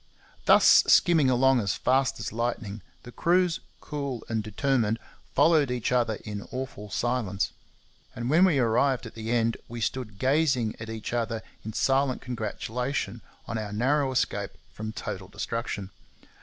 Thus skimming along as fast as lightning, the crews, cool and determined, followed each other in awful silence; and when we arrived at the end, we stood gazing at each other in silent congratulation on our narrow escape from total destruction.